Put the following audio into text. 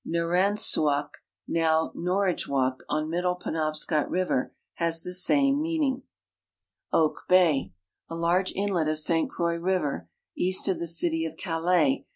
Naraidxnuk, now Norridgewok, on middle Penoi)scot river, has the same meaning. Oak bay, a large inlet of St Croix river, east of the city of Calais, i.